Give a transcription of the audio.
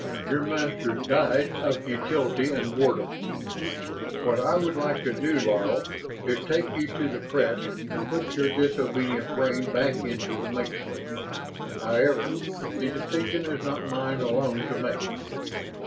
Your Masters died of futility and boredom. What I would like to do, Laro, is take you to the creche and put your disobedient brain back into the matrix. However, the decision is not mine alone to make.